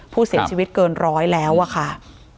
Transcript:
ผู้เสียชีวิตเกินร้อยแล้วอะค่ะ